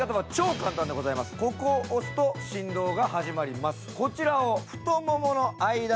ここを押すと振動が始まります。